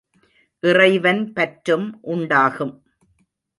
இறைவன் பற்றும் உண்டாகும்.